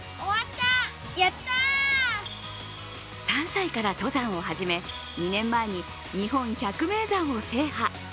３歳から登山を始め、２年前に日本百名山を制覇。